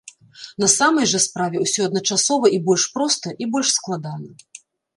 На самай жа справе ўсё адначасова і больш проста, і больш складана.